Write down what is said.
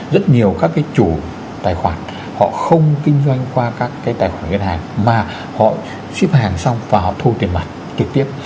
rất nhiều các cái chủ tài khoản họ không kinh doanh qua các cái tài khoản ngân hàng mà họ ship hàng xong và họ thu tiền mặt trực tiếp